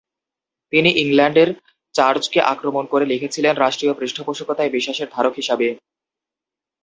তিনি ইংল্যান্ডের চার্চকে আক্রমণ করে লিখেছিলেন রাষ্ট্রীয় পৃষ্ঠপোষকতায় বিশ্বাসের ধারক হিসাবে।